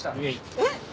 えっ！